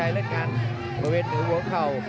แล้วกันบริเวณหนึ่งหัวเข่า